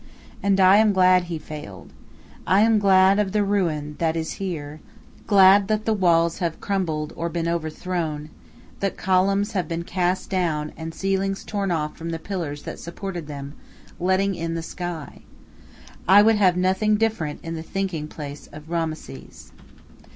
And I am glad he failed. I am glad of the ruin that is here, glad that walls have crumbled or been overthrown, that columns have been cast down, and ceilings torn off from the pillars that supported them, letting in the sky. I would have nothing different in the thinking place of Rameses.